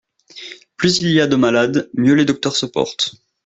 Plus il y a de malades, mieux les docteurs se portent.